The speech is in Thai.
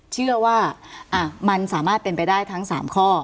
เชื่อว่ามันสามารถเป็นไปได้ทั้ง๓ข้อ